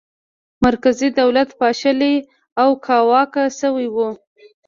مرکزي دولت پاشلی او کاواکه شوی و.